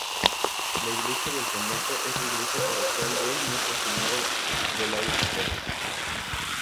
La iglesia del convento es la iglesia parroquial de Nuestra Señora de la Victoria.